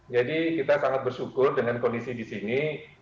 jadi kita sangat bersyukur dengan kondisi di sini